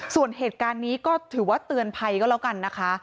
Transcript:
ส่วนเหตุการณ์นี้ก็ถือว่าเตือนภัยก็แล้วกันนะคะ